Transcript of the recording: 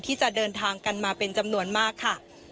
ที่จะเดินทางกันมาเป็นจำนวนมากค่ะ